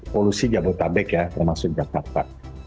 polusi jabodetabek ya termasuk jakarta